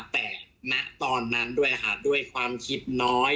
แต่ณตอนนั้นด้วยค่ะด้วยความคิดน้อย